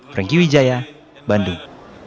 franky wijaya bandung